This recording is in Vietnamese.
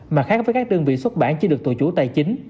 mà khác với các đơn vị xuất bản chỉ được tù chủ tài chính